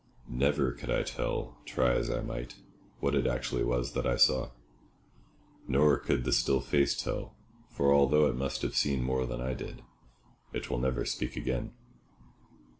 Never could I tell, try as I might, what it actually was that I saw; nor could the still face tell, for although it must have seen more than I did, it will never speak again.